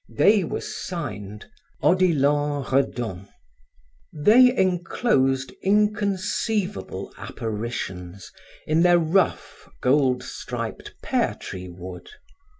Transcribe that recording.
They were signed: Odilon Redon. They enclosed inconceivable apparitions in their rough, gold striped pear tree wood.